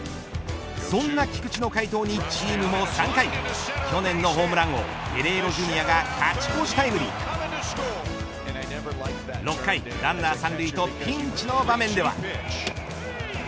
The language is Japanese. そんな菊池の快投にチームも３回去年のホームラン王ゲレーロＪｒ．が勝ち越しタイムリー６回ランナー三塁とピンチの場面では。